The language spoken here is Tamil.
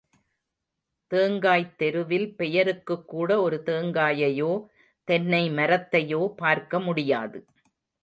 தேங்காய்த் தெருவில் பெயருக்குக் கூட ஒரு தேங்காயையோ தென்னை மரத்தையோ பார்க்க முடியாது.